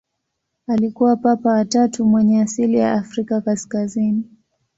Alikuwa Papa wa tatu mwenye asili ya Afrika kaskazini.